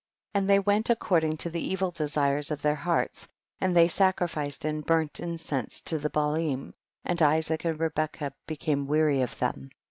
15. And they went according to the evil desires of their hearts, and they sacrificed and burnt incense to the Baalim, and Isaac and Rebecca became weary of them.